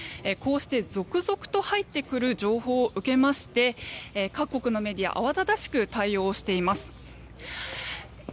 続々と入ってくる情報を受けまして各国のメディアは慌ただしく対応をしています。